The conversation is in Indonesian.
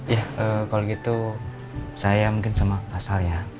ya kalau gitu saya mungkin sama pasar ya